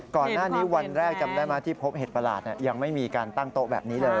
ก่อนหน้านี้วันแรกจำได้ไหมที่พบเห็ดประหลาดยังไม่มีการตั้งโต๊ะแบบนี้เลย